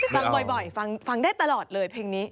ฟังบ่อยฟังได้ตลอดเลยเพลงนี้